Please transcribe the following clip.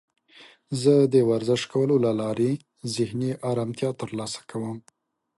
زه د ورزش کولو له لارې ذهني آرامتیا ترلاسه کوم.